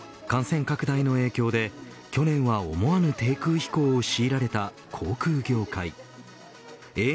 感染拡大の影響で去年は思わぬ低空飛行を強いられた航空業界。